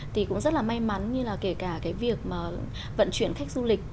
thì cũng rất là may mắn như là kể cả cái việc mà vận chuyển khách du lịch